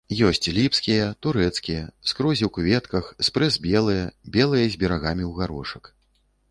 Ёсць ліпскія, турэцкія, скрозь у кветках, спрэс белыя, белыя з берагамі ў гарошак.